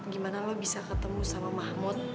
gimana lo bisa ketemu sama mahmud